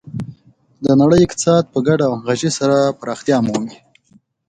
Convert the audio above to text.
د نړۍ اقتصاد په ګډه او همغږي سره پراختیا مومي.